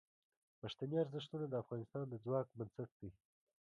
پښتني ارزښتونه د افغانستان د ځواک بنسټ دي.